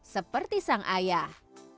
seperti sang ayah